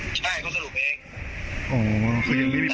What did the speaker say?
ติดอย่างว่าไม่ดีค่ะ